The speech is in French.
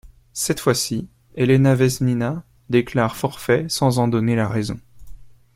Cette fois-ci, Elena Vesnina déclare forfait sans en donner la raison.